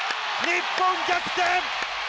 日本、逆転。